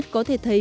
từ ngày hôm nay